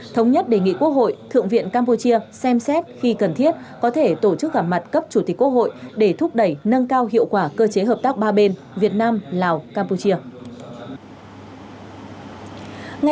thống nhất đề nghị quốc hội thượng viện campuchia xem xét khi cần thiết có thể tổ chức gặp mặt cấp chủ tịch quốc hội để thúc đẩy nâng cao hiệu quả cơ chế hợp tác ba bên việt nam lào campuchia